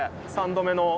３度目の。